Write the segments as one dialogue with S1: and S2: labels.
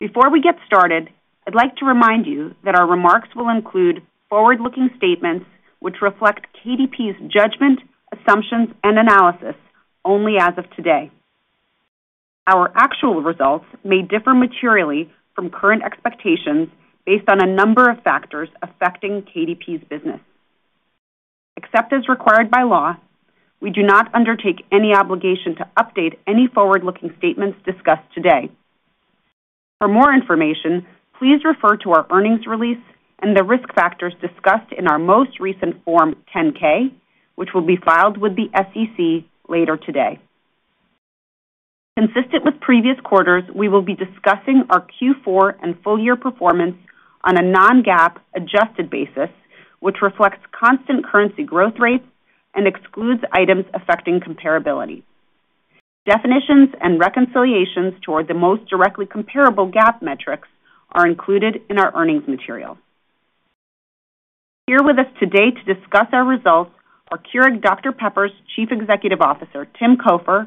S1: Before we get started, I'd like to remind you that our remarks will include forward-looking statements which reflect KDP's judgment, assumptions, and analysis only as of today. Our actual results may differ materially from current expectations based on a number of factors affecting KDP's business. Except as required by law, we do not undertake any obligation to update any forward-looking statements discussed today. For more information, please refer to our earnings release and the risk factors discussed in our most recent Form 10-K, which will be filed with the SEC later today. Consistent with previous quarters, we will be discussing our Q4 and full-year performance on a non-GAAP adjusted basis, which reflects constant currency growth rates and excludes items affecting comparability. Definitions and reconciliations toward the most directly comparable GAAP metrics are included in our earnings material. Here with us today to discuss our results are Keurig Dr Pepper's Chief Executive Officer, Tim Cofer,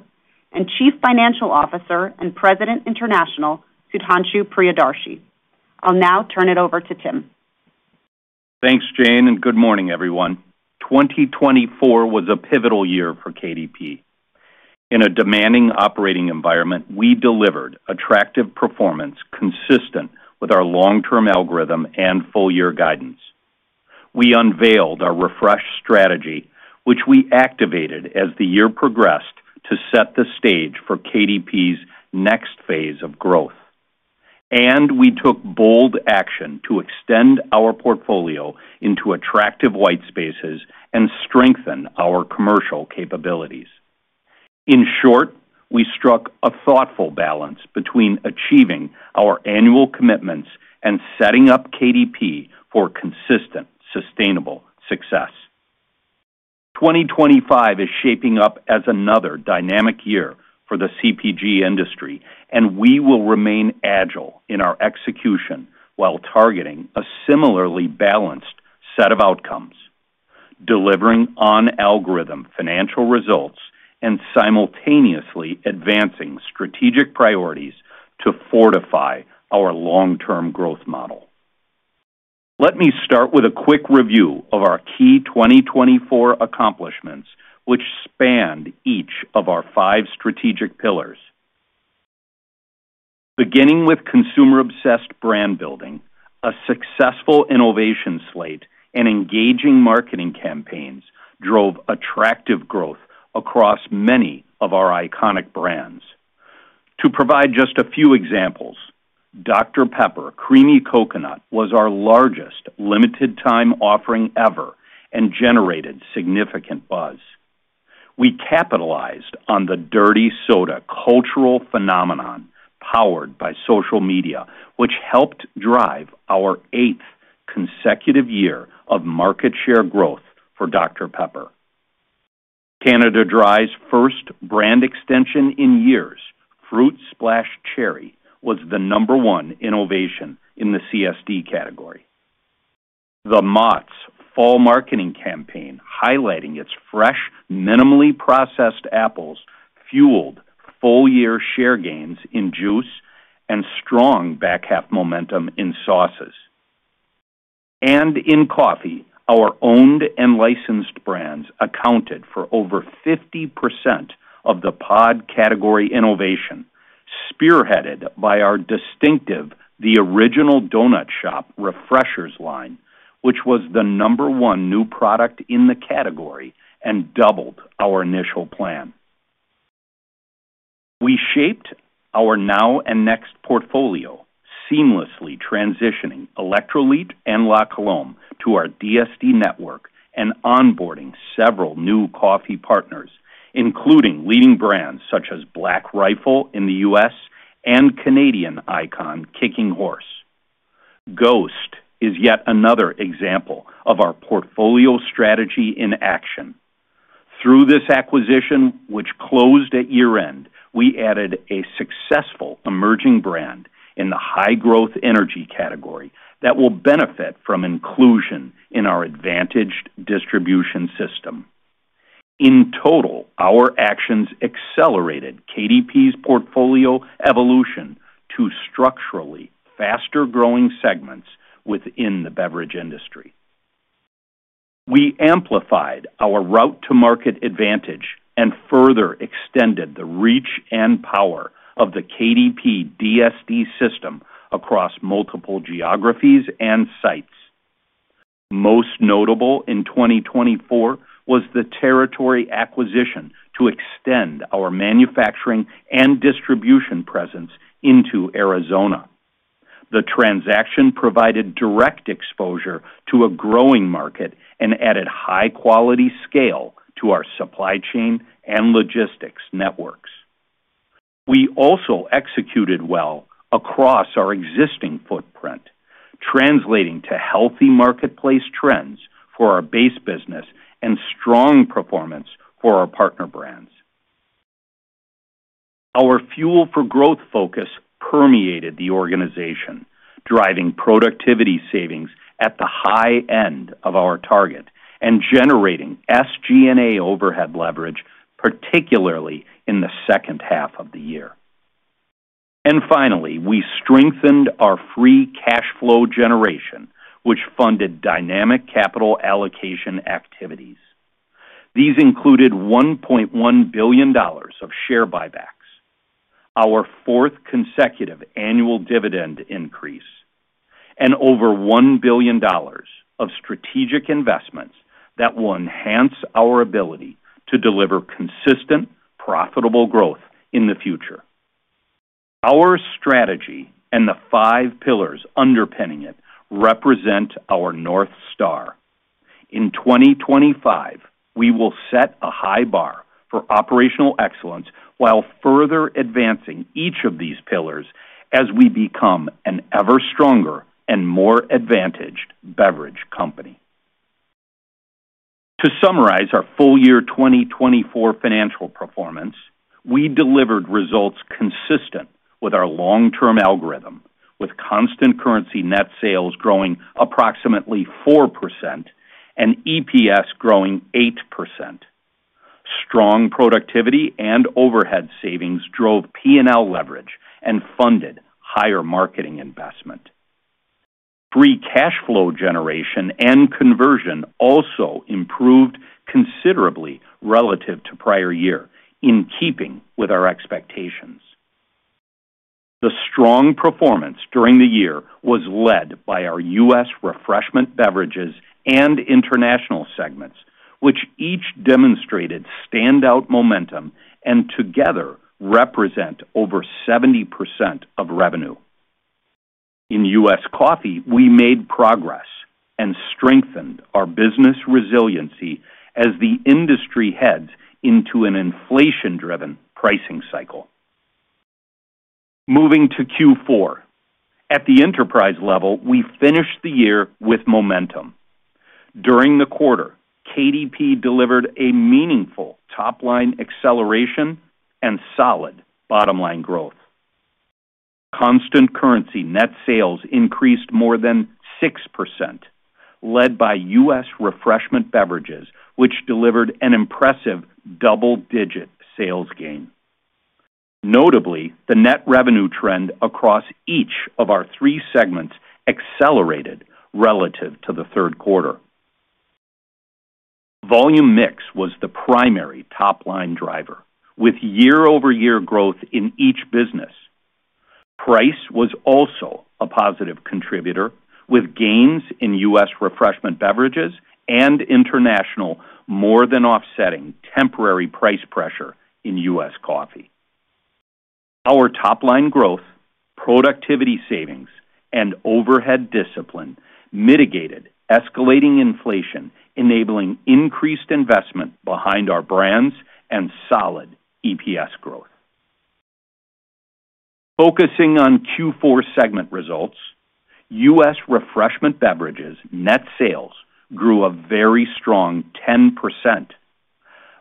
S1: and Chief Financial Officer and President International, Sudhanshu Priyadarshi. I'll now turn it over to Tim.
S2: Thanks, Jane, and good morning, everyone. 2024 was a pivotal year for KDP. In a demanding operating environment, we delivered attractive performance consistent with our long-term algorithm and full-year guidance. We unveiled our refreshed strategy, which we activated as the year progressed to set the stage for KDP's next phase of growth, and we took bold action to extend our portfolio into attractive white spaces and strengthen our commercial capabilities. In short, we struck a thoughtful balance between achieving our annual commitments and setting up KDP for consistent, sustainable success. 2025 is shaping up as another dynamic year for the CPG industry, and we will remain agile in our execution while targeting a similarly balanced set of outcomes, delivering on-algorithm financial results and simultaneously advancing strategic priorities to fortify our long-term growth model. Let me start with a quick review of our key 2024 accomplishments, which spanned each of our five strategic pillars. Beginning with consumer-obsessed brand building, a successful innovation slate, and engaging marketing campaigns drove attractive growth across many of our iconic brands. To provide just a few examples, Dr Pepper Creamy Coconut was our largest limited-time offering ever and generated significant buzz. We capitalized on the dirty soda cultural phenomenon powered by social media, which helped drive our eighth consecutive year of market share growth for Dr Pepper. Canada Dry's first brand extension in years, Fruit Splash Cherry, was the number one innovation in the CSD category. The Mott's Fall Marketing Campaign, highlighting its fresh, minimally processed apples, fueled full-year share gains in juice and strong back-half momentum in sauces. In coffee, our owned and licensed brands accounted for over 50% of the pod category innovation, spearheaded by our distinctive The Original Donut Shop Refreshers line, which was the number one new product in the category and doubled our initial plan. We shaped our now and next portfolio, seamlessly transitioning Electrolit and La Colombe to our DSD network and onboarding several new coffee partners, including leading brands such as Black Rifle in the U.S. and Canadian icon Kicking Horse. Ghost is yet another example of our portfolio strategy in action. Through this acquisition, which closed at year-end, we added a successful emerging brand in the high-growth energy category that will benefit from inclusion in our advantaged distribution system. In total, our actions accelerated KDP's portfolio evolution to structurally faster-growing segments within the beverage industry. We amplified our Route-to-Market advantage and further extended the reach and power of the KDP DSD system across multiple geographies and sites. Most notable in 2024 was the territory acquisition to extend our manufacturing and distribution presence into Arizona. The transaction provided direct exposure to a growing market and added high-quality scale to our supply chain and logistics networks. We also executed well across our existing footprint, translating to healthy marketplace trends for our base business and strong performance for our partner brands. Our fuel-for-growth focus permeated the organization, driving productivity savings at the high end of our target and generating SG&A overhead leverage, particularly in the second half of the year. And finally, we strengthened our free cash flow generation, which funded dynamic capital allocation activities. These included $1.1 billion of share buybacks, our fourth consecutive annual dividend increase, and over $1 billion of strategic investments that will enhance our ability to deliver consistent, profitable growth in the future. Our strategy and the five pillars underpinning it represent our North Star. In 2025, we will set a high bar for operational excellence while further advancing each of these pillars as we become an ever-stronger and more advantaged beverage company. To summarize our full-year 2024 financial performance, we delivered results consistent with our long-term algorithm, with constant currency net sales growing approximately 4% and EPS growing 8%. Strong productivity and overhead savings drove P&L leverage and funded higher marketing investment. Free cash flow generation and conversion also improved considerably relative to prior year, in keeping with our expectations. The strong performance during the year was led by our U.S. refreshment beverages and international segments, which each demonstrated standout momentum and together represent over 70% of revenue. In U.S. coffee, we made progress and strengthened our business resiliency as the industry heads into an inflation-driven pricing cycle. Moving to Q4, at the enterprise level, we finished the year with momentum. During the quarter, KDP delivered a meaningful top-line acceleration and solid bottom-line growth. Constant currency net sales increased more than 6%, led by U.S. refreshment beverages, which delivered an impressive double-digit sales gain. Notably, the net revenue trend across each of our three segments accelerated relative to the third quarter. Volume mix was the primary top-line driver, with year-over-year growth in each business. Price was also a positive contributor, with gains in U.S. refreshment beverages and international more than offsetting temporary price pressure in U.S. coffee. Our top-line growth, productivity savings, and overhead discipline mitigated escalating inflation, enabling increased investment behind our brands and solid EPS growth. Focusing on Q4 segment results, U.S. refreshment beverages net sales grew a very strong 10%,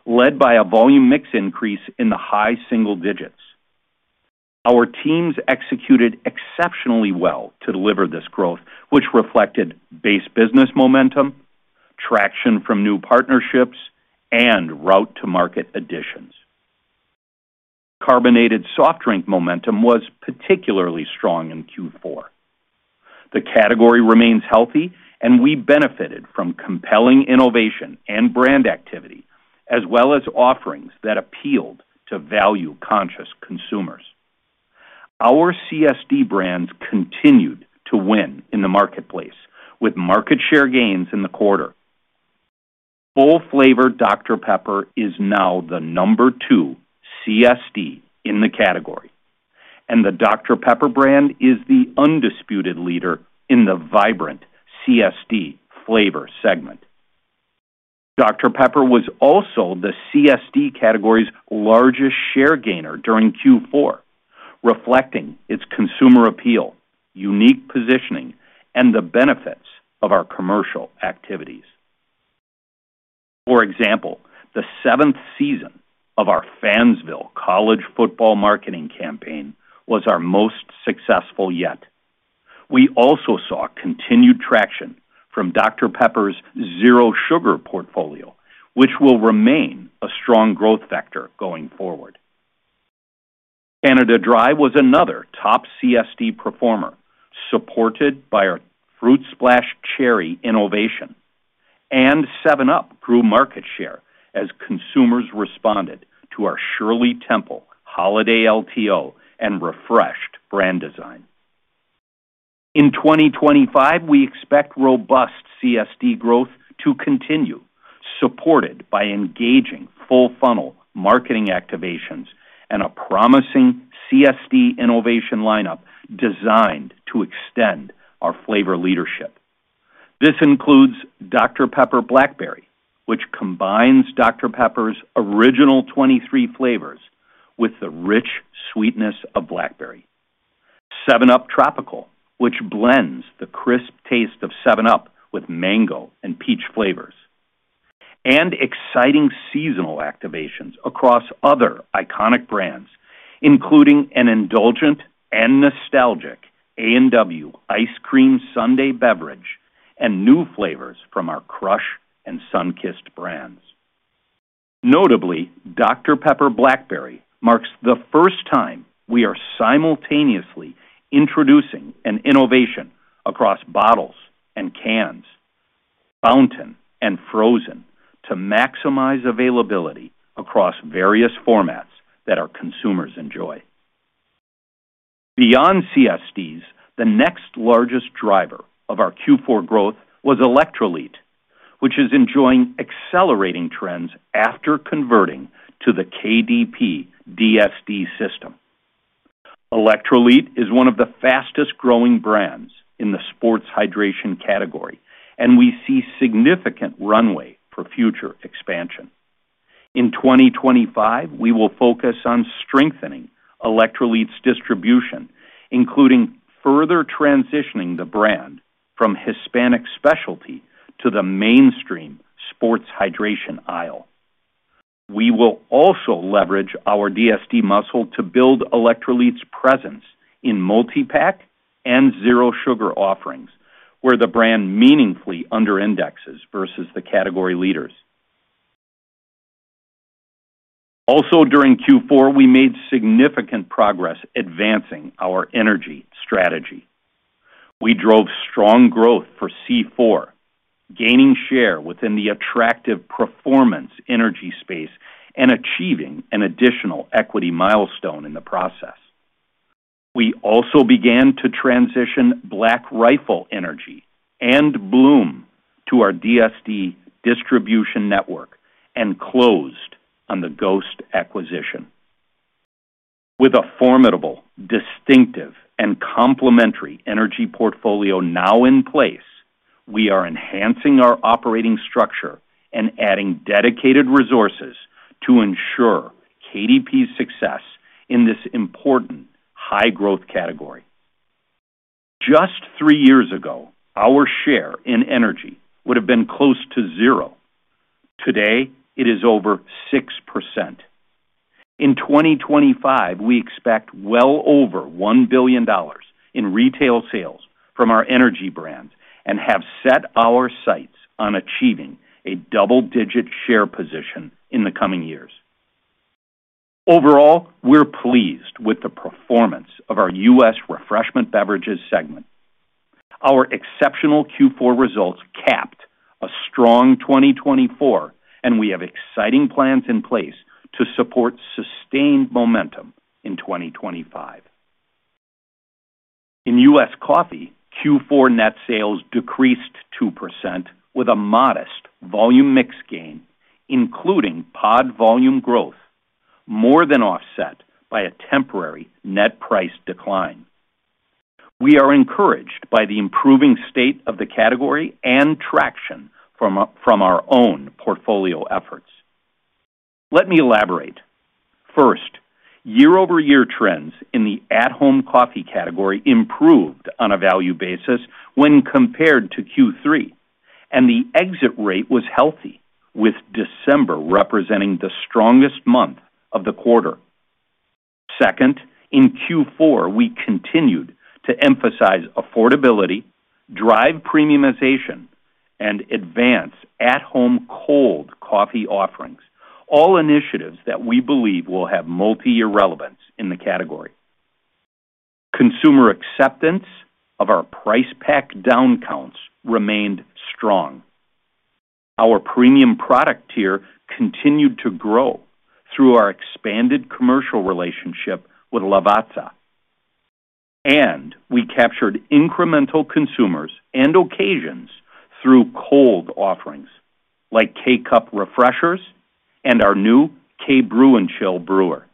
S2: led by a volume mix increase in the high single digits. Our teams executed exceptionally well to deliver this growth, which reflected base business momentum, traction from new partnerships, and Route-to-Market additions. Carbonated soft drink momentum was particularly strong in Q4. The category remains healthy, and we benefited from compelling innovation and brand activity, as well as offerings that appealed to value-conscious consumers. Our CSD brands continued to win in the marketplace with market share gains in the quarter. Full-flavor Dr Pepper is now the number two CSD in the category, and the Dr Pepper brand is the undisputed leader in the vibrant CSD flavor segment. Dr Pepper was also the CSD category's largest share gainer during Q4, reflecting its consumer appeal, unique positioning, and the benefits of our commercial activities. For example, the seventh season of our Fansville College Football marketing campaign was our most successful yet. We also saw continued traction from Dr Pepper's zero-sugar portfolio, which will remain a strong growth vector going forward. Canada Dry was another top CSD performer, supported by our Fruit Splash Cherry innovation, and 7UP grew market share as consumers responded to our Shirley Temple Holiday LTO and refreshed brand design. In 2025, we expect robust CSD growth to continue, supported by engaging full-funnel marketing activations and a promising CSD innovation lineup designed to extend our flavor leadership. This includes Dr Pepper Blackberry, which combines Dr Pepper's original 23 flavors with the rich sweetness of blackberry. 7UP Tropical, which blends the crisp taste of 7UP with mango and peach flavors, and exciting seasonal activations across other iconic brands, including an indulgent and nostalgic A&W Ice Cream Sundae beverage and new flavors from our Crush and Sunkist brands. Notably, Dr Pepper Blackberry marks the first time we are simultaneously introducing an innovation across bottles and cans, fountain and frozen, to maximize availability across various formats that our consumers enjoy. Beyond CSDs, the next largest driver of our Q4 growth was Electrolit, which is enjoying accelerating trends after converting to the KDP DSD system. Electrolit is one of the fastest-growing brands in the sports hydration category, and we see significant runway for future expansion. In 2025, we will focus on strengthening Electrolit's distribution, including further transitioning the brand from Hispanic specialty to the mainstream sports hydration aisle. We will also leverage our DSD muscle to build Electrolit's presence in multi-pack and zero-sugar offerings, where the brand meaningfully underindexes versus the category leaders. Also, during Q4, we made significant progress advancing our energy strategy. We drove strong growth for C4, gaining share within the attractive performance energy space and achieving an additional equity milestone in the process. We also began to transition Black Rifle Energy and Bloom to our DSD distribution network and closed on the Ghost acquisition. With a formidable, distinctive, and complementary energy portfolio now in place, we are enhancing our operating structure and adding dedicated resources to ensure KDP's success in this important high-growth category. Just three years ago, our share in energy would have been close to zero. Today, it is over 6%. In 2025, we expect well over $1 billion in retail sales from our energy brands and have set our sights on achieving a double-digit share position in the coming years. Overall, we're pleased with the performance of our U.S. refreshment beverages segment. Our exceptional Q4 results capped a strong 2024, and we have exciting plans in place to support sustained momentum in 2025. In U.S. coffee, Q4 net sales decreased 2% with a modest volume mix gain, including pod volume growth, more than offset by a temporary net price decline. We are encouraged by the improving state of the category and traction from our own portfolio efforts. Let me elaborate. First, year-over-year trends in the at-home coffee category improved on a value basis when compared to Q3, and the exit rate was healthy, with December representing the strongest month of the quarter. Second, in Q4, we continued to emphasize affordability, drive premiumization, and advance at-home cold coffee offerings, all initiatives that we believe will have multi-year relevance in the category. Consumer acceptance of our price-pack down counts remained strong. Our premium product tier continued to grow through our expanded commercial relationship with Lavazza, and we captured incremental consumers and occasions through cold offerings like K-Cup Refreshers and our new K-Brew+Chill brewer.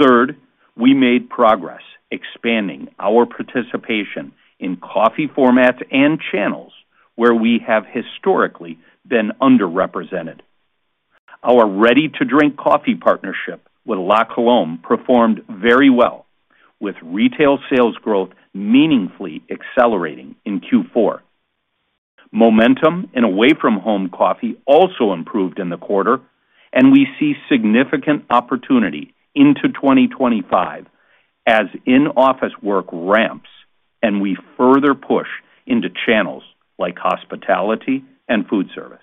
S2: Third, we made progress expanding our participation in coffee formats and channels where we have historically been underrepresented. Our ready-to-drink coffee partnership with La Colombe performed very well, with retail sales growth meaningfully accelerating in Q4. Momentum in away-from-home coffee also improved in the quarter, and we see significant opportunity into 2025 as in-office work ramps and we further push into channels like hospitality and food service.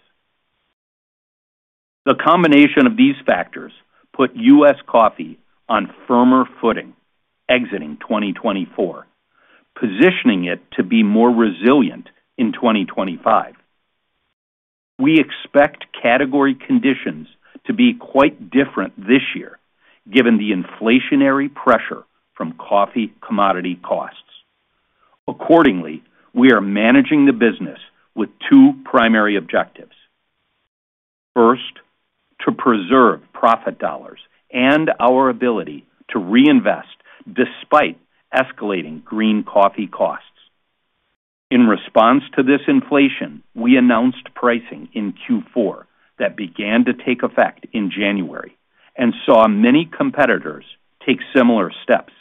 S2: The combination of these factors put U.S. coffee on firmer footing exiting 2024, positioning it to be more resilient in 2025. We expect category conditions to be quite different this year, given the inflationary pressure from coffee commodity costs. Accordingly, we are managing the business with two primary objectives. First, to preserve profit dollars and our ability to reinvest despite escalating green coffee costs. In response to this inflation, we announced pricing in Q4 that began to take effect in January and saw many competitors take similar steps.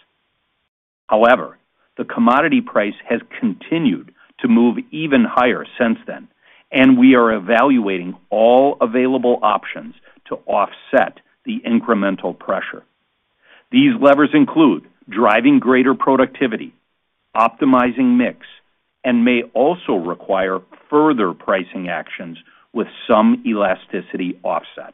S2: However, the commodity price has continued to move even higher since then, and we are evaluating all available options to offset the incremental pressure. These levers include driving greater productivity, optimizing mix, and may also require further pricing actions with some elasticity offset.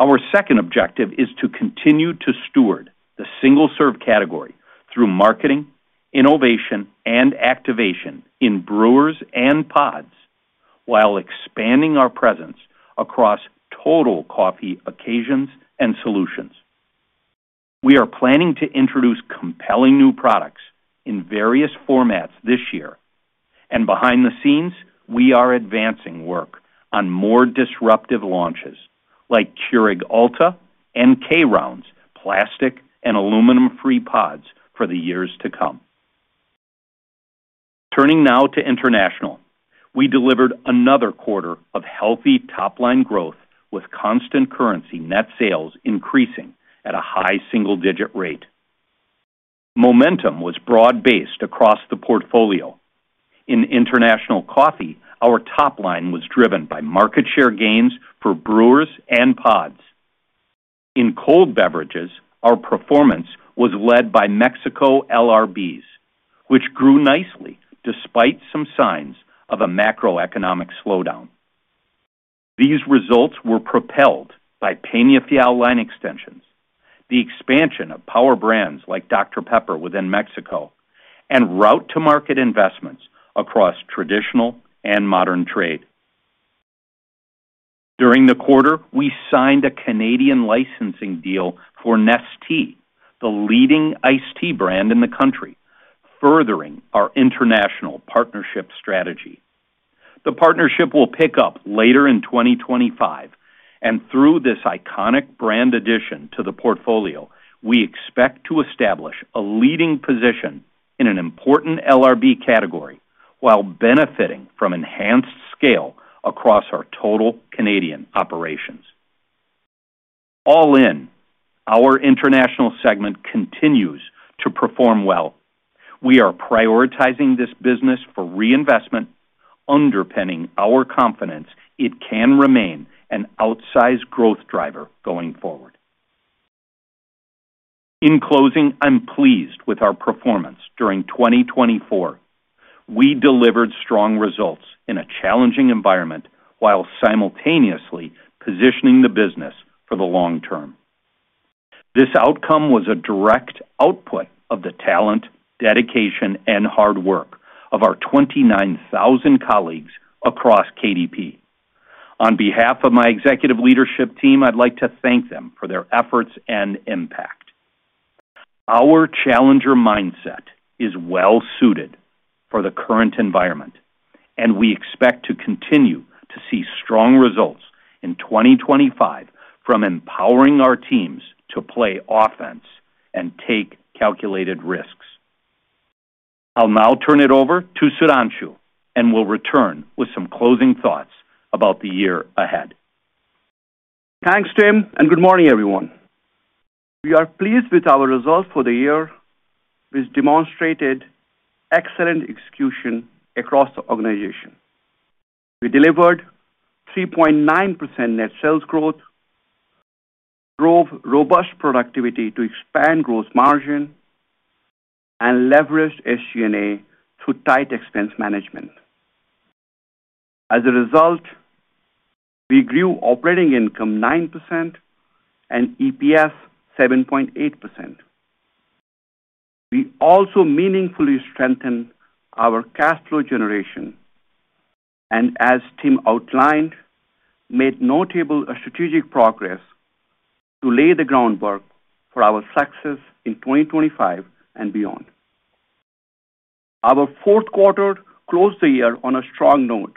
S2: Our second objective is to continue to steward the single-serve category through marketing, innovation, and activation in brewers and pods while expanding our presence across total coffee occasions and solutions. We are planning to introduce compelling new products in various formats this year, and behind the scenes, we are advancing work on more disruptive launches like Keurig Alta and K-Rounds plastic and aluminum-free pods for the years to come. Turning now to international, we delivered another quarter of healthy top-line growth with constant currency net sales increasing at a high single-digit rate. Momentum was broad-based across the portfolio. In international coffee, our top-line was driven by market share gains for brewers and pods. In cold beverages, our performance was led by Mexico LRBs, which grew nicely despite some signs of a macroeconomic slowdown. These results were propelled by Peñafiel line extensions, the expansion of power brands like Dr Pepper within Mexico, and Route-to-Market investments across traditional and modern trade. During the quarter, we signed a Canadian licensing deal for Nestea, the leading iced tea brand in the country, furthering our international partnership strategy. The partnership will pick up later in 2025, and through this iconic brand addition to the portfolio, we expect to establish a leading position in an important LRB category while benefiting from enhanced scale across our total Canadian operations. All in, our international segment continues to perform well. We are prioritizing this business for reinvestment, underpinning our confidence it can remain an outsized growth driver going forward. In closing, I'm pleased with our performance during 2024. We delivered strong results in a challenging environment while simultaneously positioning the business for the long term. This outcome was a direct output of the talent, dedication, and hard work of our 29,000 colleagues across KDP. On behalf of my executive leadership team, I'd like to thank them for their efforts and impact. Our challenger mindset is well-suited for the current environment, and we expect to continue to see strong results in 2025 from empowering our teams to play offense and take calculated risks. I'll now turn it over to Sudhanshu, and we'll return with some closing thoughts about the year ahead.
S3: Thanks, Tim, and good morning, everyone. We are pleased with our results for the year. We've demonstrated excellent execution across the organization. We delivered 3.9% net sales growth, drove robust productivity to expand gross margin, and leveraged SG&A through tight expense management. As a result, we grew operating income 9% and EPS 7.8%. We also meaningfully strengthened our cash flow generation and, as Tim outlined, made notable strategic progress to lay the groundwork for our success in 2025 and beyond. Our fourth quarter closed the year on a strong note.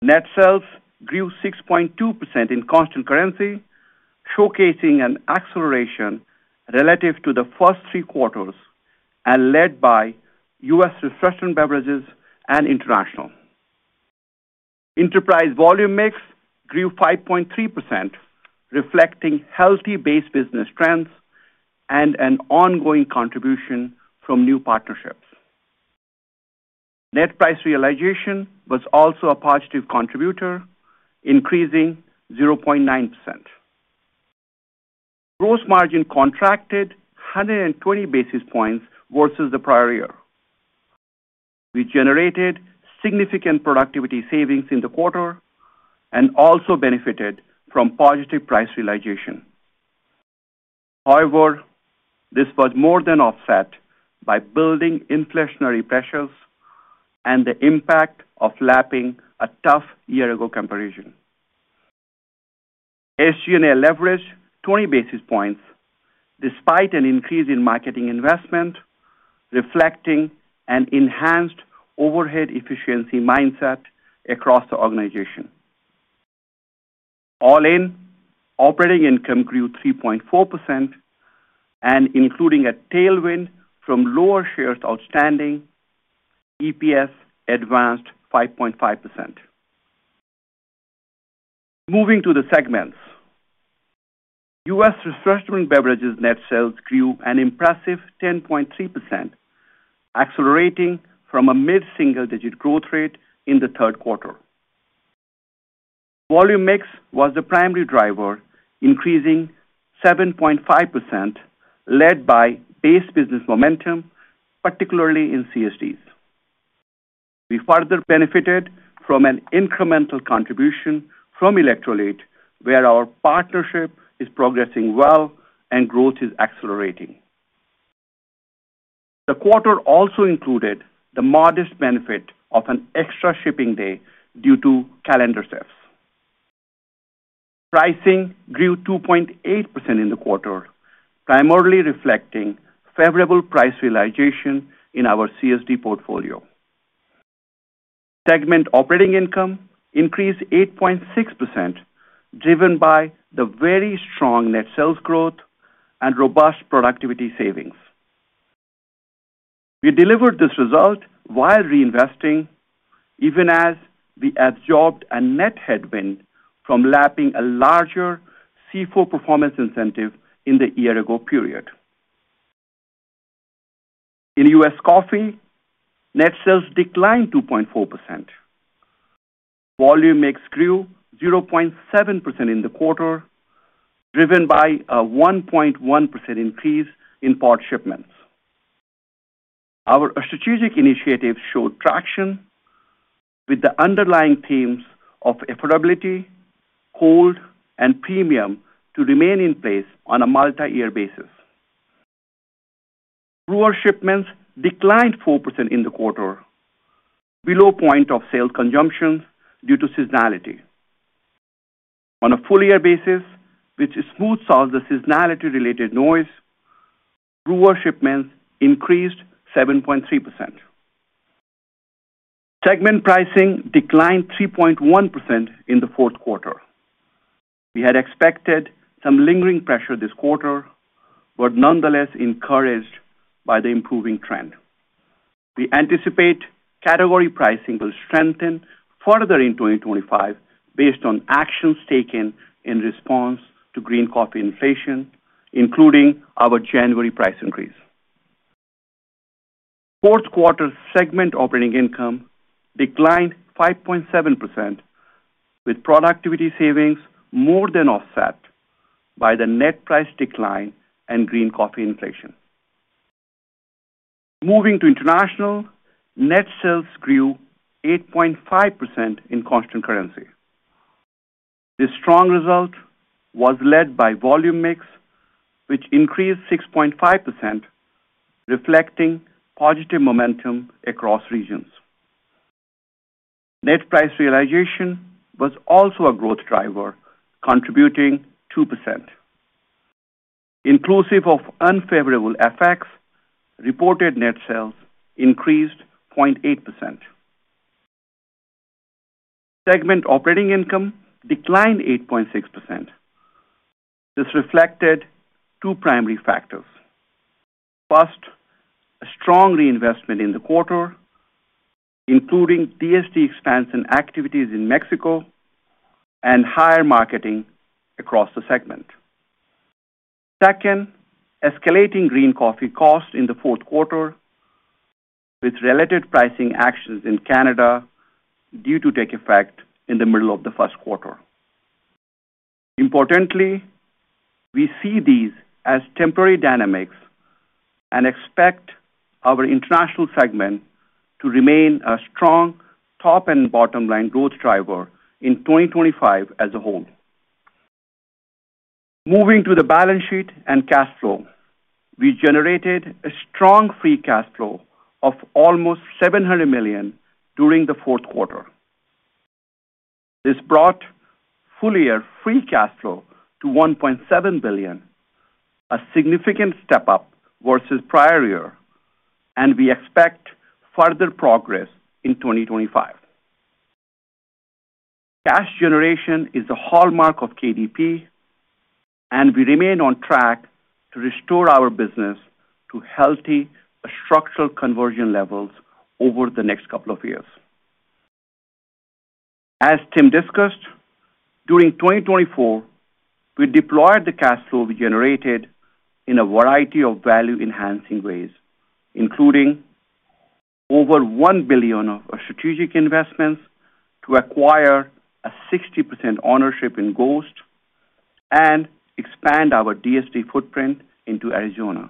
S3: Net sales grew 6.2% in constant currency, showcasing an acceleration relative to the first three quarters and led by U.S. refreshment beverages and international. Enterprise volume mix grew 5.3%, reflecting healthy base business trends and an ongoing contribution from new partnerships. Net price realization was also a positive contributor, increasing 0.9%. Gross margin contracted 120 basis points versus the prior year. We generated significant productivity savings in the quarter and also benefited from positive price realization. However, this was more than offset by building inflationary pressures and the impact of lapping a tough year-ago comparison. SG&A leveraged 20 basis points despite an increase in marketing investment, reflecting an enhanced overhead efficiency mindset across the organization. All in, operating income grew 3.4%, including a tailwind from lower shares outstanding, EPS advanced 5.5%. Moving to the segments, U.S. refreshment beverages net sales grew an impressive 10.3%, accelerating from a mid-single-digit growth rate in the third quarter. Volume mix was the primary driver, increasing 7.5%, led by base business momentum, particularly in CSDs. We further benefited from an incremental contribution from Electrolit, where our partnership is progressing well and growth is accelerating. The quarter also included the modest benefit of an extra shipping day due to calendar shifts. Pricing grew 2.8% in the quarter, primarily reflecting favorable price realization in our CSD portfolio. Segment operating income increased 8.6%, driven by the very strong net sales growth and robust productivity savings. We delivered this result while reinvesting, even as we absorbed a net headwind from lapping a larger C4 performance incentive in the year-ago period. In U.S. coffee, net sales declined 2.4%. Volume mix grew 0.7% in the quarter, driven by a 1.1% increase in pod shipments. Our strategic initiatives showed traction, with the underlying themes of affordability, cold, and premium to remain in place on a multi-year basis. Brewer shipments declined 4% in the quarter, below point of sales consumption due to seasonality. On a full-year basis, which smooths out the seasonality-related noise, brewer shipments increased 7.3%. Segment pricing declined 3.1% in the fourth quarter. We had expected some lingering pressure this quarter, but nonetheless encouraged by the improving trend. We anticipate category pricing will strengthen further in 2025 based on actions taken in response to green coffee inflation, including our January price increase. Fourth quarter segment operating income declined 5.7%, with productivity savings more than offset by the net price decline and green coffee inflation. Moving to international, net sales grew 8.5% in constant currency. This strong result was led by volume mix, which increased 6.5%, reflecting positive momentum across regions. Net price realization was also a growth driver, contributing 2%. Inclusive of unfavorable effects, reported net sales increased 0.8%. Segment operating income declined 8.6%. This reflected two primary factors: first, a strong reinvestment in the quarter, including DSD expansion activities in Mexico and higher marketing across the segment. Second, escalating green coffee costs in the fourth quarter, with related pricing actions in Canada due to take effect in the middle of the first quarter. Importantly, we see these as temporary dynamics and expect our international segment to remain a strong top and bottom-line growth driver in 2025 as a whole. Moving to the balance sheet and cash flow, we generated a strong free cash flow of almost $700 million during the fourth quarter. This brought full-year free cash flow to $1.7 billion, a significant step up versus prior year, and we expect further progress in 2025. Cash generation is a hallmark of KDP, and we remain on track to restore our business to healthy structural conversion levels over the next couple of years. As Tim discussed, during 2024, we deployed the cash flow we generated in a variety of value-enhancing ways, including over $1 billion of strategic investments to acquire a 60% ownership in Ghost and expand our DSD footprint into Arizona,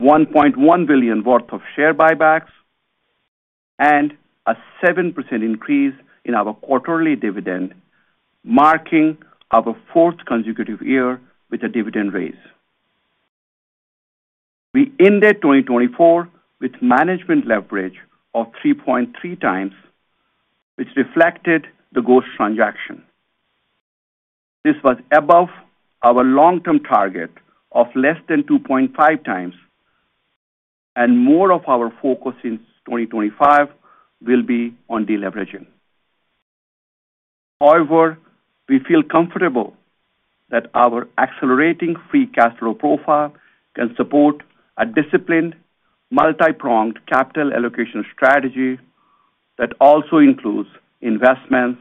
S3: $1.1 billion worth of share buybacks, and a 7% increase in our quarterly dividend, marking our fourth consecutive year with a dividend raise. We ended 2024 with management leverage of 3.3x, which reflected the Ghost transaction. This was above our long-term target of less than 2.5x, and more of our focus in 2025 will be on deleveraging. However, we feel comfortable that our accelerating free cash flow profile can support a disciplined, multi-pronged capital allocation strategy that also includes investments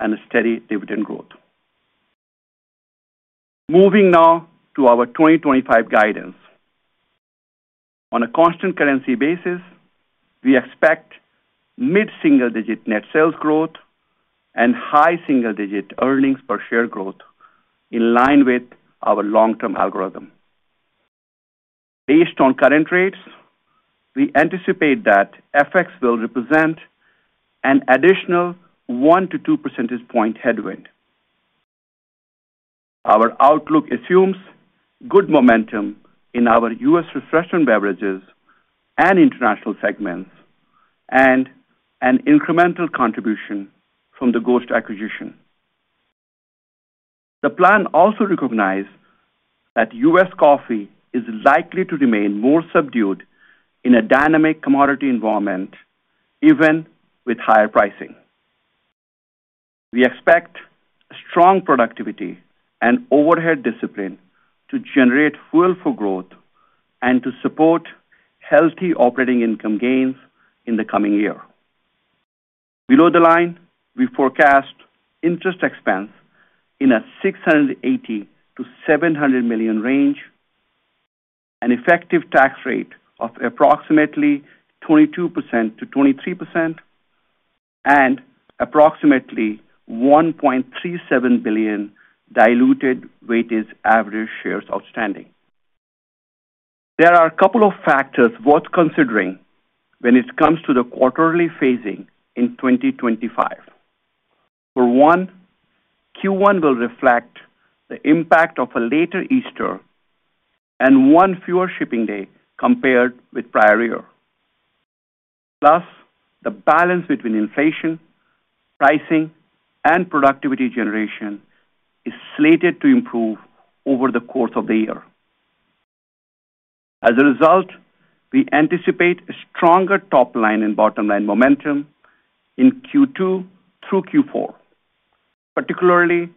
S3: and steady dividend growth. Moving now to our 2025 guidance. On a constant currency basis, we expect mid-single-digit net sales growth and high single-digit earnings per share growth in line with our long-term algorithm. Based on current rates, we anticipate that FX will represent an additional one to two percentage point headwind. Our outlook assumes good momentum in our U.S. refreshment beverages and international segments and an incremental contribution from the Ghost acquisition. The plan also recognizes that U.S. coffee is likely to remain more subdued in a dynamic commodity environment, even with higher pricing. We expect strong productivity and overhead discipline to generate fuel for growth and to support healthy operating income gains in the coming year. Below the line, we forecast interest expense in a $680 million-$700 million range, an effective tax rate of approximately 22%-23%, and approximately 1.37 billion diluted weighted average shares outstanding. There are a couple of factors worth considering when it comes to the quarterly phasing in 2025. For one, Q1 will reflect the impact of a later Easter and one fewer shipping day compared with prior year. Plus, the balance between inflation, pricing, and productivity generation is slated to improve over the course of the year. As a result, we anticipate a stronger top-line and bottom-line momentum in Q2 through Q4, particularly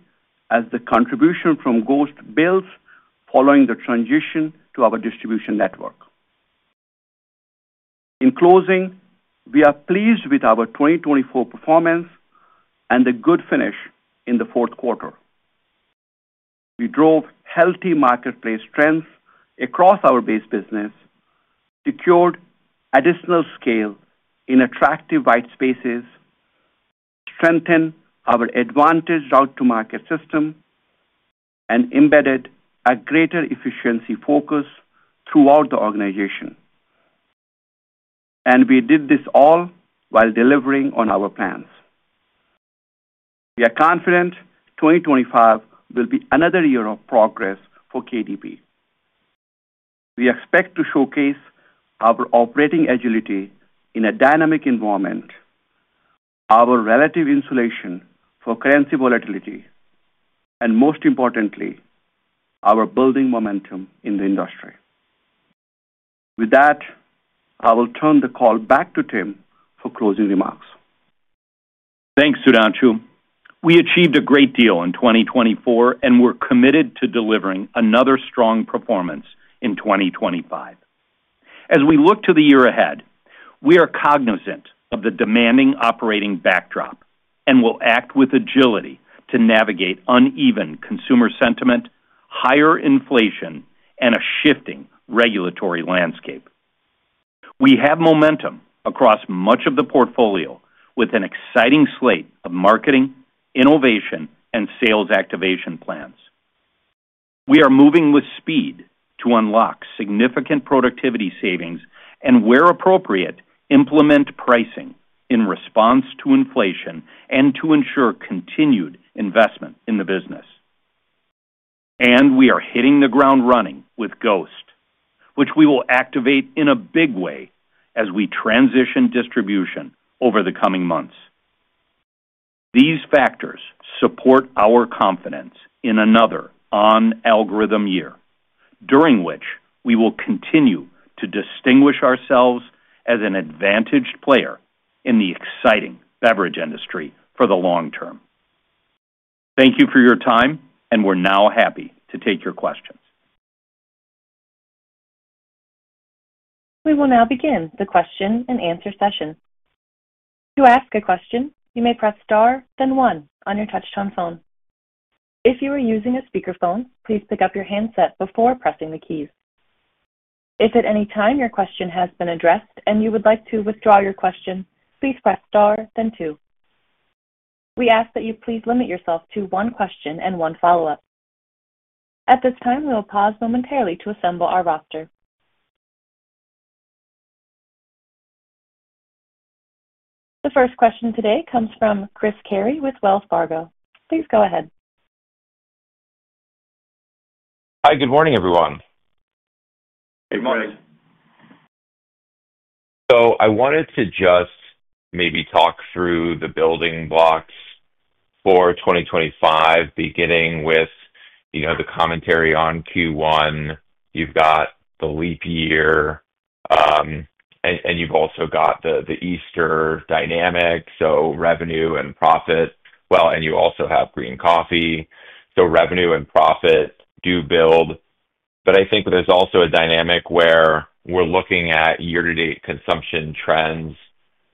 S3: as the contribution from Ghost builds following the transition to our distribution network. In closing, we are pleased with our 2024 performance and the good finish in the fourth quarter. We drove healthy marketplace trends across our base business, secured additional scale in attractive white spaces, strengthened our advantage Route-to-Market system, and embedded a greater efficiency focus throughout the organization, and we did this all while delivering on our plans. We are confident 2025 will be another year of progress for KDP. We expect to showcase our operating agility in a dynamic environment, our relative insulation for currency volatility, and most importantly, our building momentum in the industry. With that, I will turn the call back to Tim for closing remarks.
S2: Thanks, Sudhanshu. We achieved a great deal in 2024 and were committed to delivering another strong performance in 2025. As we look to the year ahead, we are cognizant of the demanding operating backdrop and will act with agility to navigate uneven consumer sentiment, higher inflation, and a shifting regulatory landscape. We have momentum across much of the portfolio with an exciting slate of marketing, innovation, and sales activation plans. We are moving with speed to unlock significant productivity savings and, where appropriate, implement pricing in response to inflation and to ensure continued investment in the business. And we are hitting the ground running with Ghost, which we will activate in a big way as we transition distribution over the coming months. These factors support our confidence in another on-algorithm year, during which we will continue to distinguish ourselves as an advantaged player in the exciting beverage industry for the long term. Thank you for your time, and we're now happy to take your questions.
S4: We will now begin the question-and-answer session. To ask a question, you may press star, then one on your touch-tone phone. If you are using a speakerphone, please pick up your handset before pressing the keys. If at any time your question has been addressed and you would like to withdraw your question, please press star, then two. We ask that you please limit yourself to one question and one follow-up. At this time, we will pause momentarily to assemble our roster. The first question today comes from Chris Carey with Wells Fargo. Please go ahead.
S5: Hi. Good morning, everyone.
S2: Good morning.
S5: So I wanted to just maybe talk through the building blocks for 2025, beginning with the commentary on Q1. You've got the leap year, and you've also got the Easter dynamic, so revenue and profit. Well, and you also have green coffee. So revenue and profit do build. But I think there's also a dynamic where we're looking at year-to-date consumption trends,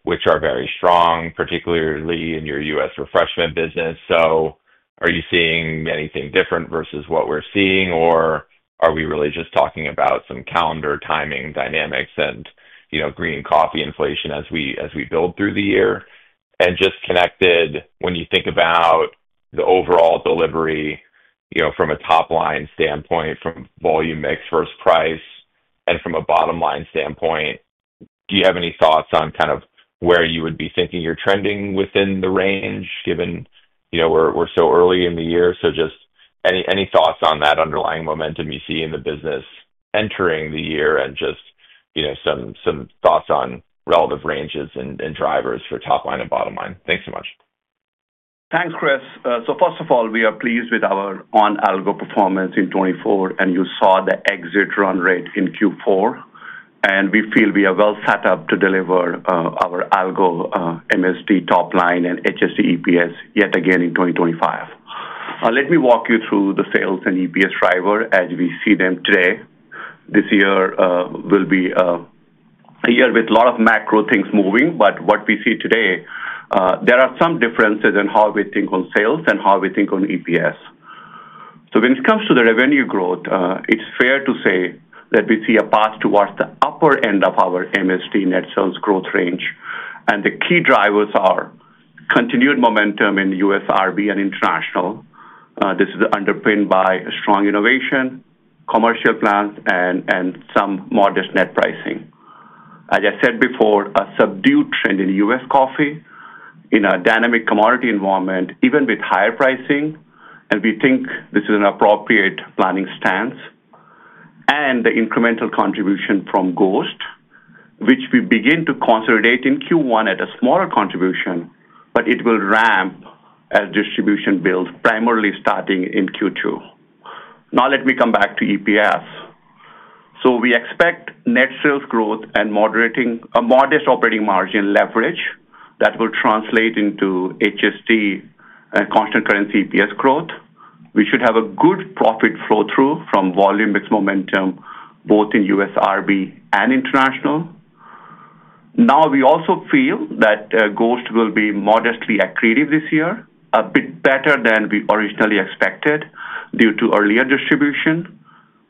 S5: which are very strong, particularly in your U.S. refreshment business. So are you seeing anything different versus what we're seeing, or are we really just talking about some calendar timing dynamics and green coffee inflation as we build through the year? And just connected, when you think about the overall delivery from a top-line standpoint, from volume mix versus price, and from a bottom-line standpoint, do you have any thoughts on kind of where you would be thinking you're trending within the range, given we're so early in the year? So just any thoughts on that underlying momentum you see in the business entering the year and just some thoughts on relative ranges and drivers for top-line and bottom-line? Thanks so much.
S3: Thanks, Chris. So first of all, we are pleased with our on-algo performance in 2024, and you saw the exit run rate in Q4. And we feel we are well set up to deliver our algo MSD top-line and HSD EPS yet again in 2025. Let me walk you through the sales and EPS driver as we see them today. This year will be a year with a lot of macro things moving, but what we see today, there are some differences in how we think on sales and how we think on EPS. So when it comes to the revenue growth, it's fair to say that we see a path towards the upper end of our MSD net sales growth range. And the key drivers are continued momentum in USRB and international. This is underpinned by strong innovation, commercial plans, and some modest net pricing. As I said before, a subdued trend in U.S. coffee in a dynamic commodity environment, even with higher pricing, and we think this is an appropriate planning stance, and the incremental contribution from Ghost, which we begin to consolidate in Q1 at a smaller contribution, but it will ramp as distribution builds, primarily starting in Q2. Now let me come back to EPS, so we expect net sales growth and modest operating margin leverage that will translate into HSD and constant currency EPS growth. We should have a good profit flow-through from volume mix momentum both in USRB and international. Now, we also feel that Ghost will be modestly accretive this year, a bit better than we originally expected due to earlier distribution,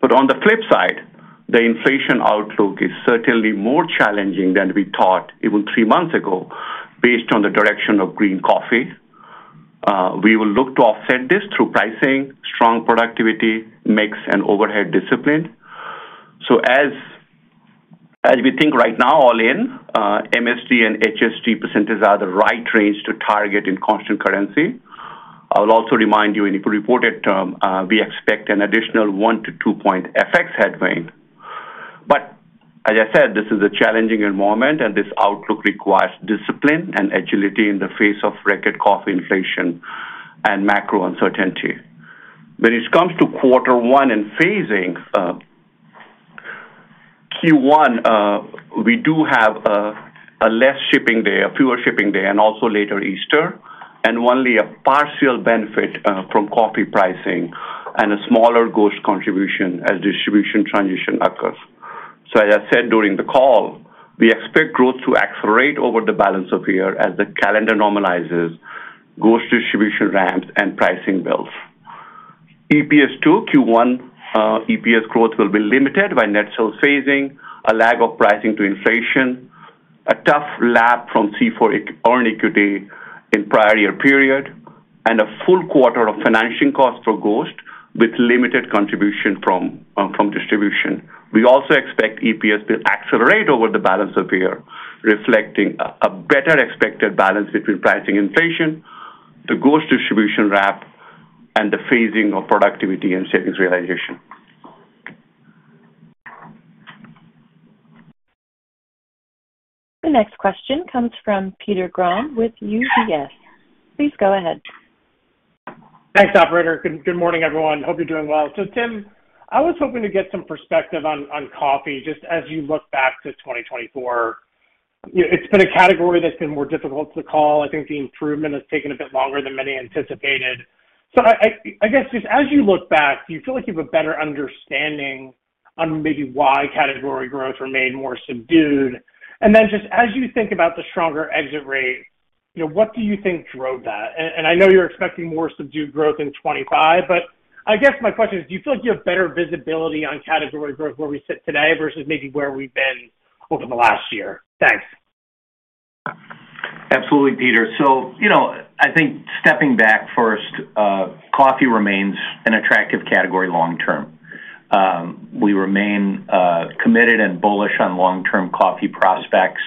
S3: but on the flip side, the inflation outlook is certainly more challenging than we thought even three months ago based on the direction of green coffee. We will look to offset this through pricing, strong productivity, mix, and overhead discipline. So as we think right now, all in, MSD and HSD percentages are the right range to target in constant currency. I will also remind you in the reported term, we expect an additional one to two point FX headwind. But as I said, this is a challenging environment, and this outlook requires discipline and agility in the face of record coffee inflation and macro uncertainty. When it comes to quarter one and phasing, Q1, we do have one fewer shipping day, and also later Easter, and only a partial benefit from coffee pricing and a smaller Ghost contribution as distribution transition occurs. So as I said during the call, we expect growth to accelerate over the balance of the year as the calendar normalizes, Ghost distribution ramps, and pricing builds. EPS to Q1 EPS growth will be limited by net sales phasing, a lag of pricing to inflation, a tough lap from C4 earned equity in prior year period, and a full quarter of financing costs for Ghost with limited contribution from distribution. We also expect EPS to accelerate over the balance of the year, reflecting a better expected balance between pricing inflation, the Ghost distribution ramp, and the phasing of productivity and savings realization.
S4: The next question comes from Peter Grom with UBS. Please go ahead.
S6: Thanks, Operator. Good morning, everyone. Hope you're doing well. So Tim, I was hoping to get some perspective on coffee just as you look back to 2024. It's been a category that's been more difficult to call. I think the improvement has taken a bit longer than many anticipated. So I guess just as you look back, do you feel like you have a better understanding on maybe why category growth remained more subdued? And then just as you think about the stronger exit rate, what do you think drove that? And I know you're expecting more subdued growth in 2025, but I guess my question is, do you feel like you have better visibility on category growth where we sit today versus maybe where we've been over the last year? Thanks.
S2: Absolutely, Peter. So I think stepping back first, coffee remains an attractive category long term. We remain committed and bullish on long-term coffee prospects.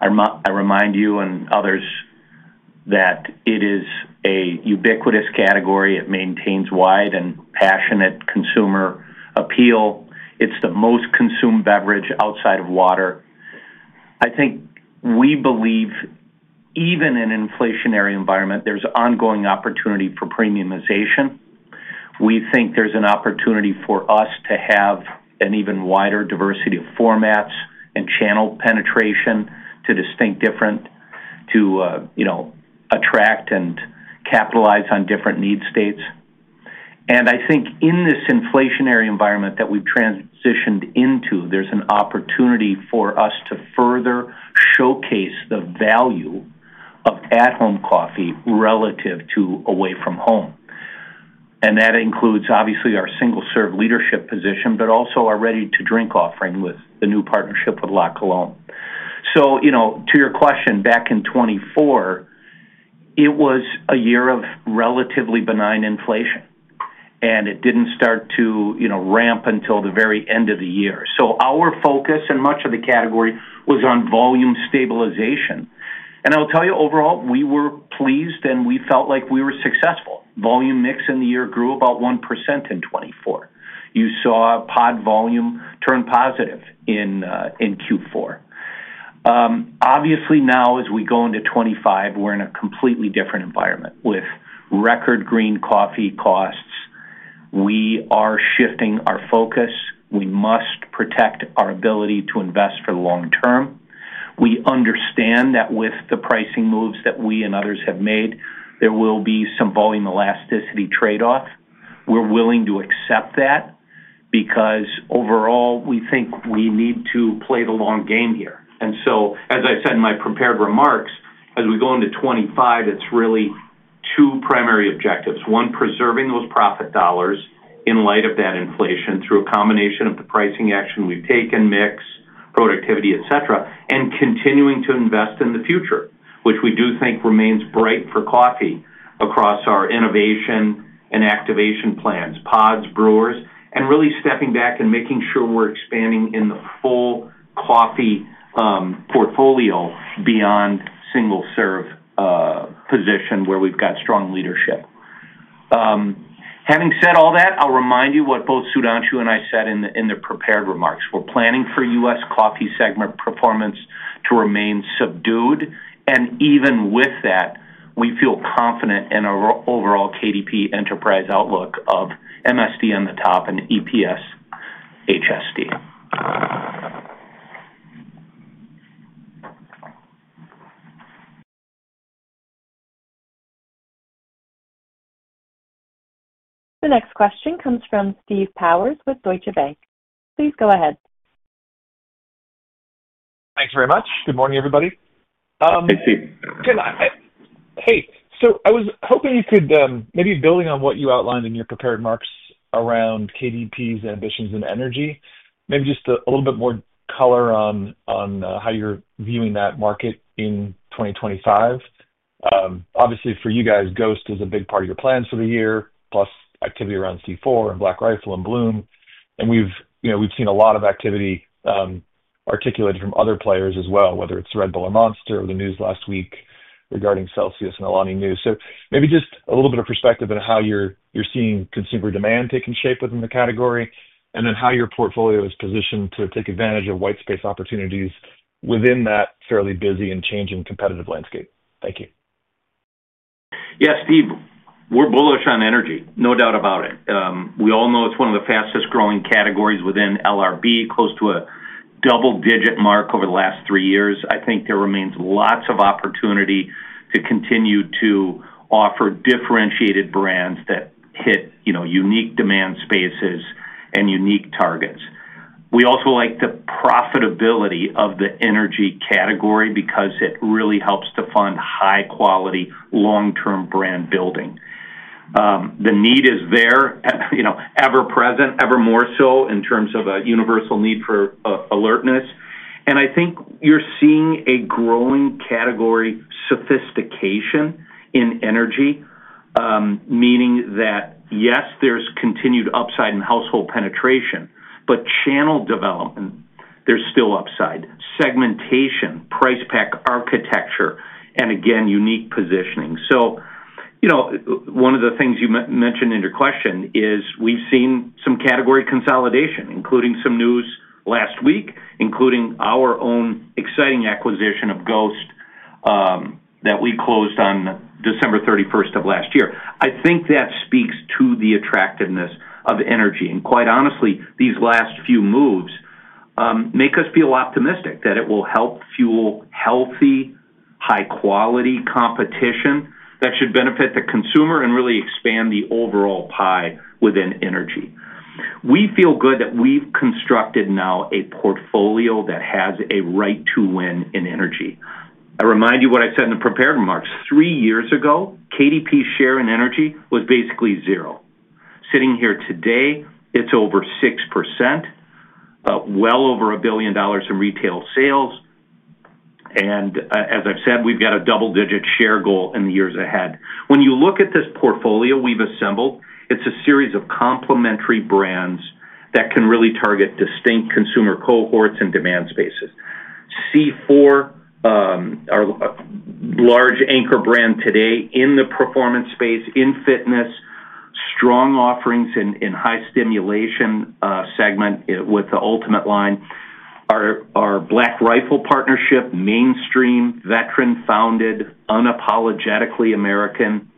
S2: I remind you and others that it is a ubiquitous category. It maintains wide and passionate consumer appeal. It's the most consumed beverage outside of water. I think we believe even in an inflationary environment, there's ongoing opportunity for premiumization. We think there's an opportunity for us to have an even wider diversity of formats and channel penetration to attract and capitalize on different need states, and I think in this inflationary environment that we've transitioned into, there's an opportunity for us to further showcase the value of at-home coffee relative to away from home, and that includes, obviously, our single-serve leadership position, but also our ready-to-drink offering with the new partnership with La Colombe, so to your question, back in 2024, it was a year of relatively benign inflation, and it didn't start to ramp until the very end of the year, so our focus and much of the category was on volume stabilization, and I'll tell you, overall, we were pleased, and we felt like we were successful. Volume mix in the year grew about 1% in 2024. You saw pod volume turn positive in Q4. Obviously, now as we go into 2025, we're in a completely different environment with record green coffee costs. We are shifting our focus. We must protect our ability to invest for the long term. We understand that with the pricing moves that we and others have made, there will be some volume elasticity trade-off. We're willing to accept that because overall, we think we need to play the long game here. And so, as I said in my prepared remarks, as we go into 2025, it's really two primary objectives. One, preserving those profit dollars in light of that inflation through a combination of the pricing action we've taken, mix, productivity, etc., and continuing to invest in the future, which we do think remains bright for coffee across our innovation and activation plans, pods, brewers, and really stepping back and making sure we're expanding in the full coffee portfolio beyond single-serve position where we've got strong leadership. Having said all that, I'll remind you what both Sudhanshu and I said in the prepared remarks. We're planning for U.S. coffee segment performance to remain subdued. And even with that, we feel confident in our overall KDP enterprise outlook of MSD on the top and EPS HSD.
S4: The next question comes from Steve Powers with Deutsche Bank. Please go ahead.
S7: Thanks very much. Good morning, everybody.
S2: Hey, Steve.
S7: Hey. So I was hoping you could maybe build on what you outlined in your prepared remarks around KDP's ambitions and energy, maybe just a little bit more color on how you're viewing that market in 2025. Obviously, for you guys, Ghost is a big part of your plans for the year, plus activity around C4 and Black Rifle and Bloom. And we've seen a lot of activity articulated from other players as well, whether it's Red Bull or Monster or the news last week regarding Celsius and Alani Nu. So maybe just a little bit of perspective on how you're seeing consumer demand taking shape within the category and then how your portfolio is positioned to take advantage of white space opportunities within that fairly busy and changing competitive landscape. Thank you.
S2: Yeah, Steve, we're bullish on energy, no doubt about it. We all know it's one of the fastest growing categories within LRB, close to a double-digit mark over the last three years. I think there remains lots of opportunity to continue to offer differentiated brands that hit unique demand spaces and unique targets. We also like the profitability of the energy category because it really helps to fund high-quality long-term brand building. The need is there, ever present, ever more so in terms of a universal need for alertness. And I think you're seeing a growing category sophistication in energy, meaning that yes, there's continued upside in household penetration, but channel development, there's still upside, segmentation, price pack architecture, and again, unique positioning. So one of the things you mentioned in your question is we've seen some category consolidation, including some news last week, including our own exciting acquisition of Ghost that we closed on December 31st of last year. I think that speaks to the attractiveness of energy, and quite honestly, these last few moves make us feel optimistic that it will help fuel healthy, high-quality competition that should benefit the consumer and really expand the overall pie within energy. We feel good that we've constructed now a portfolio that has a right to win in energy. I remind you what I said in the prepared remarks. Three years ago, KDP's share in energy was basically zero. Sitting here today, it's over 6%, well over $1 billion in retail sales, and as I've said, we've got a double-digit share goal in the years ahead. When you look at this portfolio we've assembled, it's a series of complementary brands that can really target distinct consumer cohorts and demand spaces. C4, our large anchor brand today in the performance space, in fitness, strong offerings in high stimulation segment with the Ultimate line. Our Black Rifle partnership, mainstream, veteran-founded, unapologetically American.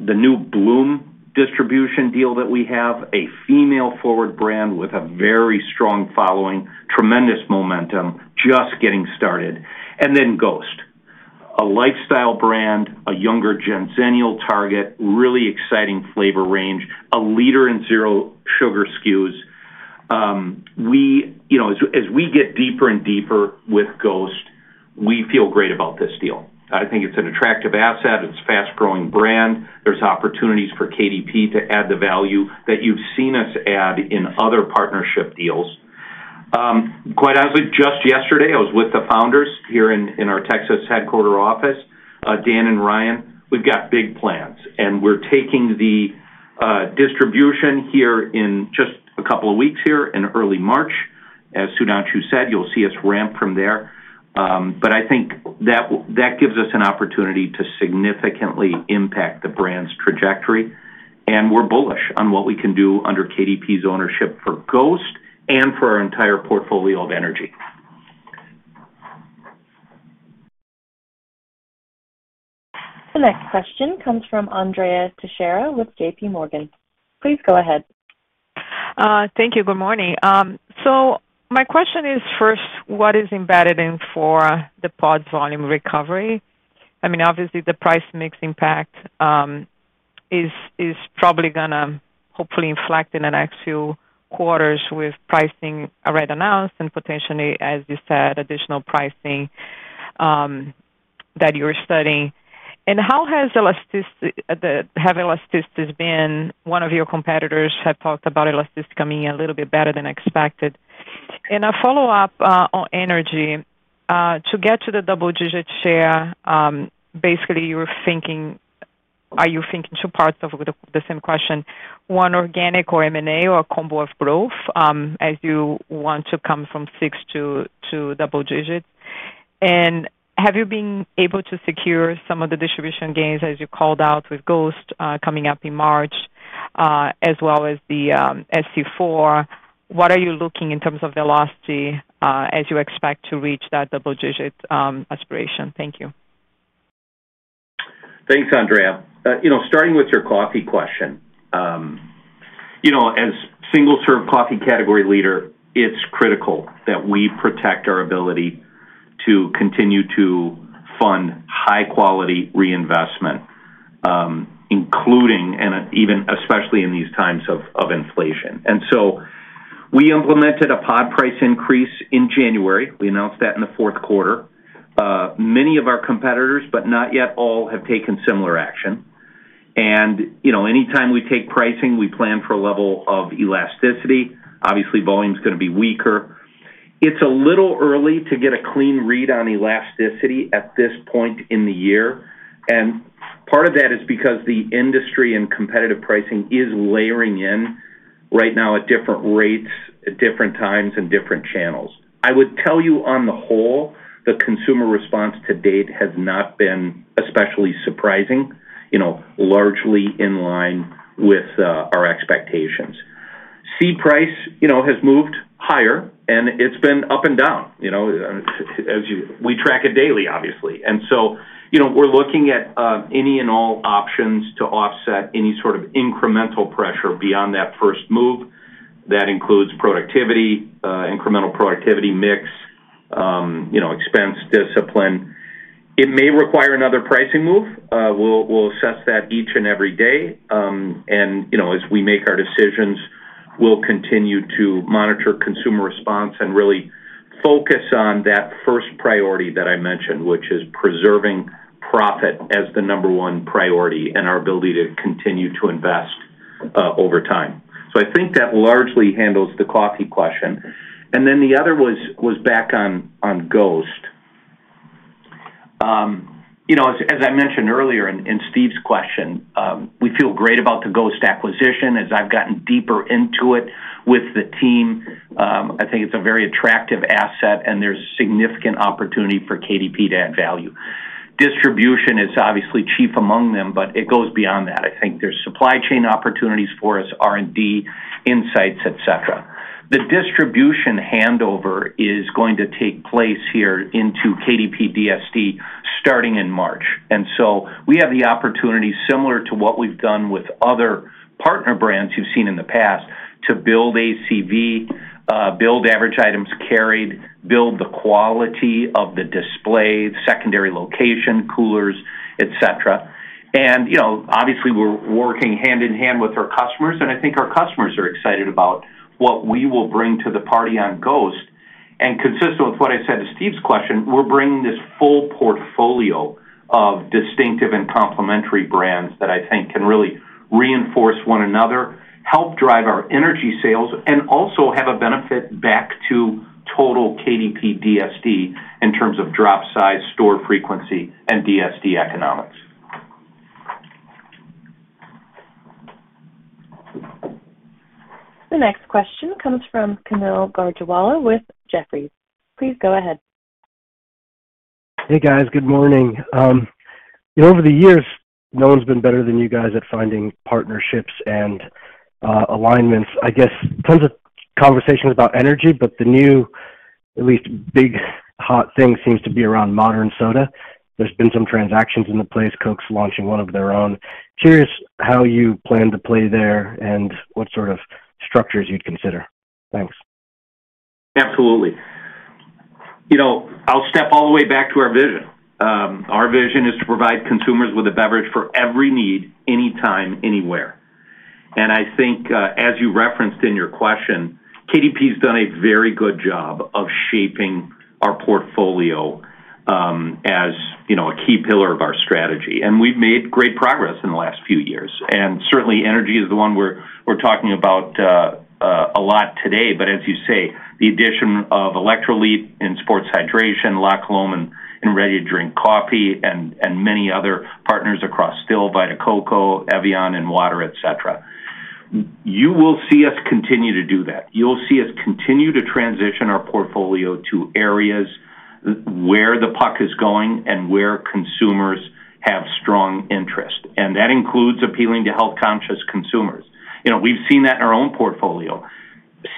S2: The new Bloom distribution deal that we have, a female-forward brand with a very strong following, tremendous momentum, just getting started. Then Ghost, a lifestyle brand, a younger generational target, really exciting flavor range, a leader in zero sugar SKUs. As we get deeper and deeper with Ghost, we feel great about this deal. I think it's an attractive asset. It's a fast-growing brand. There's opportunities for KDP to add the value that you've seen us add in other partnership deals. Quite honestly, just yesterday, I was with the founders here in our Texas headquarters office, Dan and Ryan. We've got big plans, and we're taking the distribution here in just a couple of weeks here in early March. As Sudhanshu said, you'll see us ramp from there. I think that gives us an opportunity to significantly impact the brand's trajectory. We're bullish on what we can do under KDP's ownership for Ghost and for our entire portfolio of energy.
S4: The next question comes from Andrea Teixeira with JPMorgan. Please go ahead.
S8: Thank you. Good morning. My question is first, what is embedded in for the pod volume recovery? I mean, obviously, the price mix impact is probably going to hopefully inflect in the next few quarters with pricing already announced and potentially, as you said, additional pricing that you're studying. How has elasticity been? One of your competitors had talked about elasticity coming in a little bit better than expected. And a follow-up on energy, to get to the double-digit share, basically, you're thinking are you thinking two parts of the same question? One organic or M&A or a combo of growth as you want to come from six to double-digit? And have you been able to secure some of the distribution gains as you called out with Ghost coming up in March as well as the C4? What are you looking in terms of velocity as you expect to reach that double-digit aspiration? Thank you.
S2: Thanks, Andrea. Starting with your coffee question, as single-serve coffee category leader, it's critical that we protect our ability to continue to fund high-quality reinvestment, including and even especially in these times of inflation. And so we implemented a pod price increase in January. We announced that in the fourth quarter. Many of our competitors, but not yet all, have taken similar action. Anytime we take pricing, we plan for a level of elasticity. Obviously, volume is going to be weaker. It's a little early to get a clean read on elasticity at this point in the year. And part of that is because the industry and competitive pricing is layering in right now at different rates, at different times, and different channels. I would tell you on the whole, the consumer response to date has not been especially surprising, largely in line with our expectations. CSD price has moved higher, and it's been up and down as we track it daily, obviously. And so we're looking at any and all options to offset any sort of incremental pressure beyond that first move. That includes productivity, incremental productivity mix, expense discipline. It may require another pricing move. We'll assess that each and every day. And as we make our decisions, we'll continue to monitor consumer response and really focus on that first priority that I mentioned, which is preserving profit as the number one priority and our ability to continue to invest over time. So I think that largely handles the coffee question. And then the other was back on Ghost. As I mentioned earlier in Steve's question, we feel great about the Ghost acquisition as I've gotten deeper into it with the team. I think it's a very attractive asset, and there's significant opportunity for KDP to add value. Distribution is obviously chief among them, but it goes beyond that. I think there's supply chain opportunities for us, R&D, insights, etc. The distribution handover is going to take place here into KDP DSD starting in March. And so we have the opportunity similar to what we've done with other partner brands you've seen in the past to build ACV, build average items carried, build the quality of the display, secondary location, coolers, etc. And obviously, we're working hand in hand with our customers. And I think our customers are excited about what we will bring to the party on Ghost. And consistent with what I said to Steve's question, we're bringing this full portfolio of distinctive and complementary brands that I think can really reinforce one another, help drive our energy sales, and also have a benefit back to total KDP DSD in terms of drop size, store frequency, and DSD economics.
S4: The next question comes from Kaumil Gajrawala with Jefferies. Please go ahead.
S9: Hey, guys. Good morning. Over the years, no one's been better than you guys at finding partnerships and alignments. I guess tons of conversations about energy, but the new, at least big hot thing seems to be around modern soda. There's been some transactions in the place. Coke's launching one of their own. Curious how you plan to play there and what sort of structures you'd consider. Thanks.
S2: Absolutely. I'll step all the way back to our vision. Our vision is to provide consumers with a beverage for every need, anytime, anywhere, and I think, as you referenced in your question, KDP has done a very good job of shaping our portfolio as a key pillar of our strategy, and we've made great progress in the last few years, and certainly, energy is the one we're talking about a lot today. But as you say, the addition of Electrolit and sports hydration, La Colombe and ready-to-drink coffee, and many other partners across still, Vita Coco, Evian, and water, etc. You will see us continue to do that. You'll see us continue to transition our portfolio to areas where the puck is going and where consumers have strong interest. And that includes appealing to health-conscious consumers. We've seen that in our own portfolio.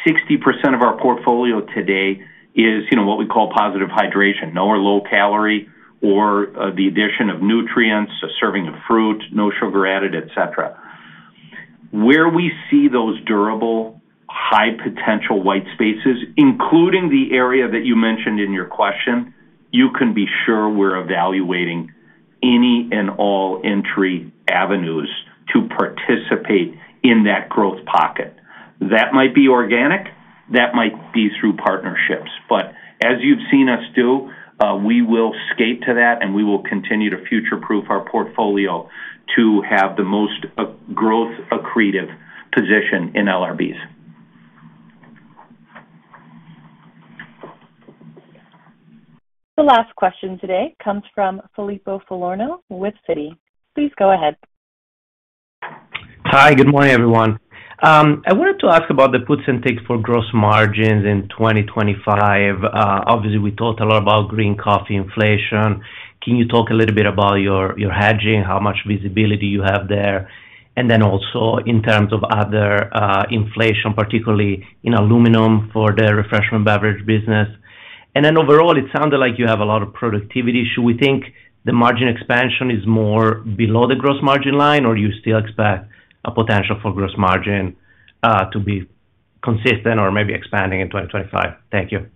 S2: 60% of our portfolio today is what we call positive hydration, no or low calorie, or the addition of nutrients, a serving of fruit, no sugar added, etc. Where we see those durable, high-potential white spaces, including the area that you mentioned in your question, you can be sure we're evaluating any and all entry avenues to participate in that growth pocket. That might be organic. That might be through partnerships. But as you've seen us do, we will scale to that, and we will continue to future-proof our portfolio to have the most growth-accretive position in LRBs.
S4: The last question today comes from Filippo Falorni with Citi. Please go ahead.
S10: Hi. Good morning, everyone. I wanted to ask about the puts and takes for gross margins in 2025. Obviously, we talked a lot about green coffee inflation. Can you talk a little bit about your hedging, how much visibility you have there? And then also in terms of other inflation, particularly in aluminum for the refreshment beverage business. And then overall, it sounded like you have a lot of productivity. Should we think the margin expansion is more below the gross margin line, or do you still expect a potential for gross margin to be consistent or maybe expanding in 2025? Thank you.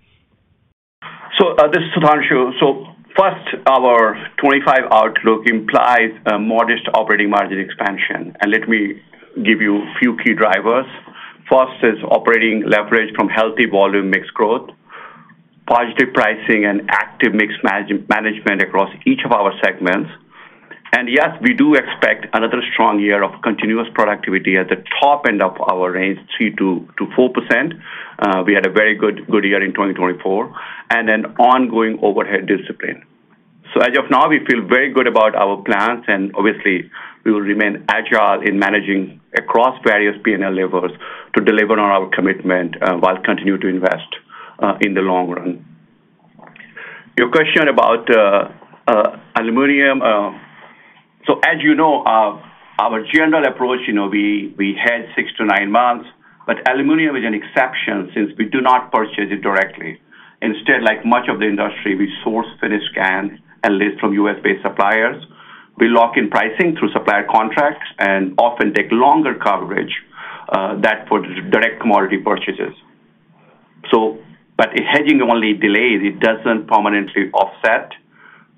S3: So this is Sudhanshu. First, our 2025 outlook implies a modest operating margin expansion. Let me give you a few key drivers. First is operating leverage from healthy volume mix growth, positive pricing, and active mix management across each of our segments. Yes, we do expect another strong year of continuous productivity at the top end of our range, 3%-4%. We had a very good year in 2024, and then ongoing overhead discipline. As of now, we feel very good about our plans, and obviously, we will remain agile in managing across various P&L levers to deliver on our commitment while continuing to invest in the long run. Your question about aluminum. As you know, our general approach, we hedge six to nine months, but aluminum is an exception since we do not purchase it directly. Instead, like much of the industry, we source finished cans and lids from U.S.-based suppliers. We lock in pricing through supplier contracts and often take longer coverage than for direct commodity purchases, but hedging only delays. It doesn't permanently offset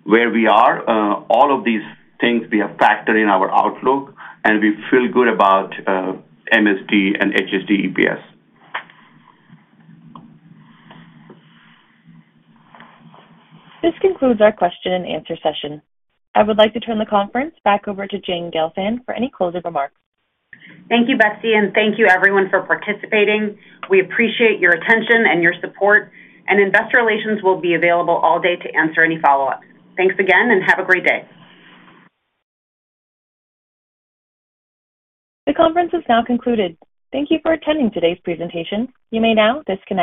S3: where we are. All of these things, we have factored in our outlook, and we feel good about MSD and HSD EPS.
S4: This concludes our question-and-answer session. I would like to turn the conference back over to Jane Gelfand for any closing remarks.
S1: Thank you, Betsy, and thank you, everyone, for participating. We appreciate your attention and your support, and investor relations will be available all day to answer any follow-ups. Thanks again, and have a great day.
S4: The conference has now concluded. Thank you for attending today's presentation. You may now disconnect.